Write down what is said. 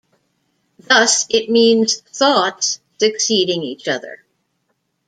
Thus it means "thoughts succeeding each other".